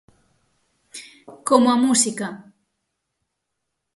Como a música.